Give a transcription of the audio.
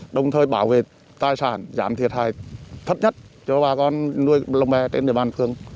đồng thời bảo vệ tài sản giảm thiệt hại thấp nhất cho bà con nuôi lồng bè trên địa bàn phường